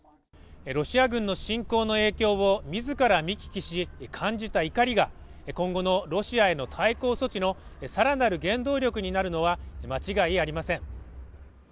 ロシア軍の侵攻の影響を自ら見聞きし感じた怒りが今後のロシアへの対抗措置の更なる原動力になるのは間違いありません。